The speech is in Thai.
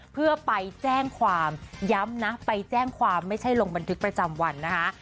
เพื่อไปแจ้งความย้ำนะไปแจ้งความไม่ใช่ลงบันทึกประจำวันนะคะ